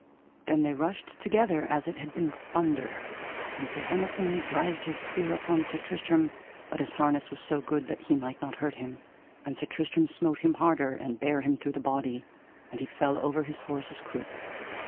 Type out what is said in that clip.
Then they rushed together as it had been thunder, and Sir Hemison brised his spear upon Sir Tristram, but his harness was so good that he might not hurt him. And Sir Tristram smote him harder, and bare him through the body, and he fell over his horse's croup.